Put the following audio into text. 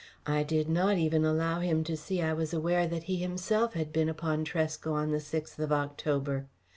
I did not even allow him to see I was aware that he himself had been upon Tresco on the sixth of October.